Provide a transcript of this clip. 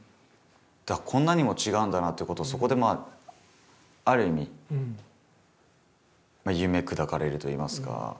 こんなにも違うんだなということをそこでまあある意味夢砕かれるといいますか。